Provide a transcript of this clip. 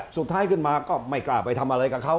สุดท้ายขึ้นมาก็ไม่กล้าไปทำอะไรกับเขา